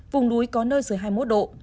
vùng núi có nơi dưới hai mươi một độ